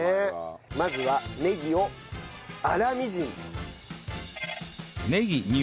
まずはネギを粗みじん。